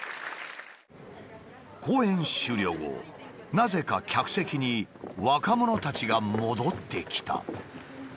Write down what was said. なぜか客席に若者たちが戻ってきた。